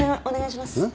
お願いします。